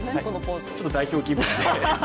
ちょっと代表気分で。